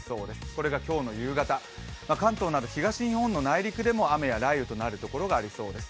これが今日の夕方、関東など東日本の内陸でも雨や雷雨となるところがありそうです。